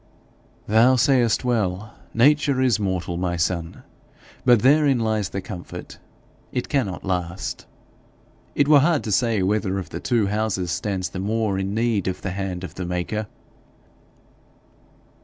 'Thou sayest well; nature is mortal, my son. But therein lies the comfort it cannot last. It were hard to say whether of the two houses stands the more in need of the hand of the maker.'